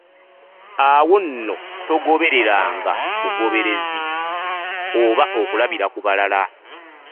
Awo nno togobereranga bugoberezi, oba okulabira ku balala.